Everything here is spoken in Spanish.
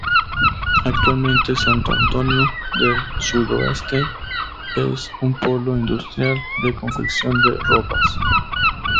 Actualmente Santo Antonio del Sudoeste es un polo industrial de confección de ropas.